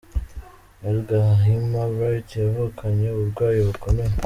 Ella Gahima Bright yavukanye uburwayi bukomeye.